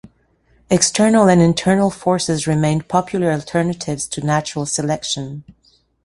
External and internal forces remained popular alternatives to natural selection.